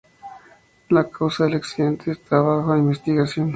La causa del accidente está bajo investigación.